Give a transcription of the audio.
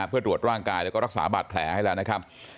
เพื่อตรวจร่างกายแล้วก็รักษาบาดแผลให้แล้วนะครับ